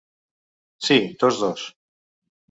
Sí, tots dos.